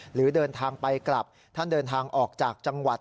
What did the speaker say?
หรือเดินทางไปกลับท่านเดินทางออกจากจังหวัด